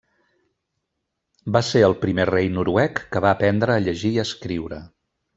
Va ser el primer rei noruec que va aprendre a llegir i escriure.